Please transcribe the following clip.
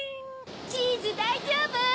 チーズだいじょうぶ？